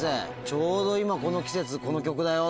「ちょうど今この季節この曲だよ」と。